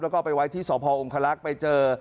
แล้วก็ไปไว้ที่สพองคลักษณ์ไปเจอ